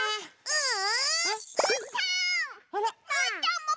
うん！